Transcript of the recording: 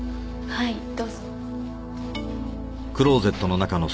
はいどうぞ。